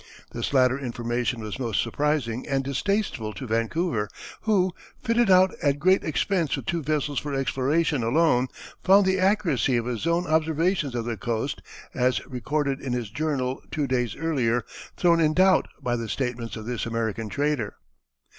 This latter information was most surprising and distasteful to Vancouver, who, fitted out at great expense with two vessels for exploration alone, found the accuracy of his own observations of the coast, as recorded in his journal two days earlier, thrown in doubt by the statements of this American trader.